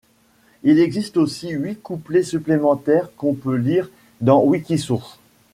Il existe aussi huit couplets supplémentaires qu'on peut lire dans Wikisource.